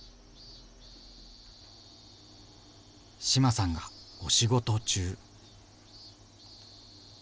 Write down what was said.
志麻さんがお仕事中。